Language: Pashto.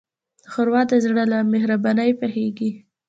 ښوروا د زړه له مهربانۍ پخیږي.